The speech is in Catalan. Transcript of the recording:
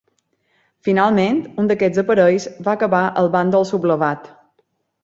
Finalment un d'aquests aparells va acabar al bàndol sublevat.